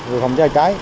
về phòng cháy trái